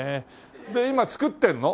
で今作ってんの？